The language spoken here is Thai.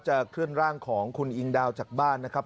เคลื่อนร่างของคุณอิงดาวจากบ้านนะครับ